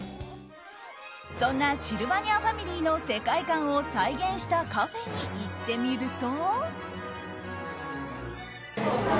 そんなシルバニアファミリーの世界観を再現したカフェに行ってみると。